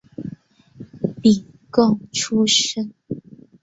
廪贡出身。